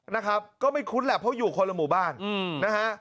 นะครับก็ไม่คุ้นแหละเพราะอยู่คนละหมู่บ้านนะฮะ